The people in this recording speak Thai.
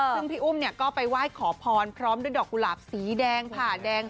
ซึ่งพี่อุ้มก็ไปไหว้ขอพรพร้อมด้วยดอกกุหลาบสีแดงผ่าแดง